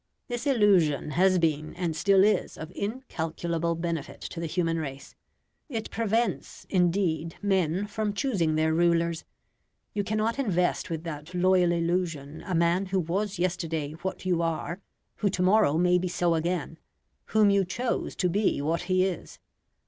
This illusion has been and still is of incalculable benefit to the human race. It prevents, indeed, men from choosing their rulers; you cannot invest with that loyal illusion a man who was yesterday what you are, who to morrow may be so again, whom you chose to be what he is.